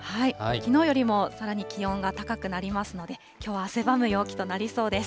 きのうよりも、さらに気温が高くなりますので、きょうは汗ばむ陽気となりそうです。